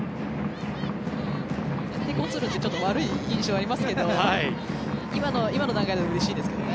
手こずるって悪い印象がありますけど今の段階だとうれしいですけどね。